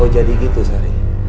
oh jadi gitu sari